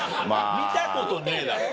見たことねえだろ。